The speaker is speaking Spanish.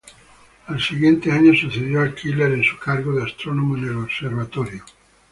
Al siguiente año sucedió a Keeler en su cargo de astrónomo en el observatorio.